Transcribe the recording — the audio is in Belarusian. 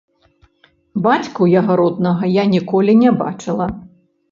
Бацьку яго роднага я ніколі не бачыла.